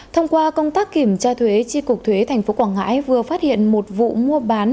thông qua công tác kiểm tra thuế tri cục thuế tp quảng ngãi vừa phát hiện một vụ mua bán